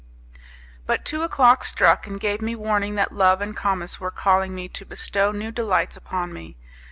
But two o'clock struck and gave me warning that Love and Comus were calling me to bestow new delights upon me.